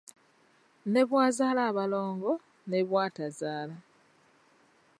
Ne bw'azaala abalongo ne bw'atabazaala.